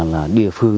là địa phương